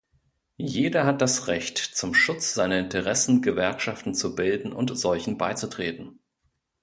Jeder hat das Recht, zum Schutz seiner Interessen Gewerkschaften zu bilden und solchen beizutreten.